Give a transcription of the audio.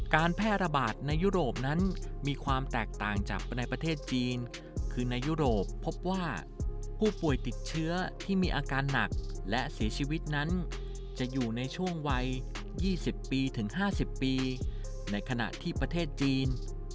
การแพร่ระบาดในยุโรปนั้นมีความแตกต่างจากในประเทศจีนคือในยุโรปพบว่าผู้ป่วยติดเชื้อที่มีอาการหนักและเสียชีวิตนั้นจะอยู่ในช่วงวัย๒๐ปีถึง๕๐ปีในขณะที่ประเทศจีน